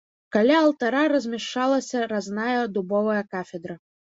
Каля алтара размяшчалася разная дубовая кафедра.